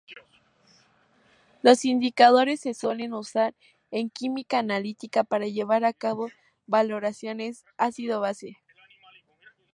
Los indicadores se suelen usar en química analítica para llevar a cabo valoraciones ácido-base.